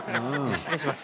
失礼します。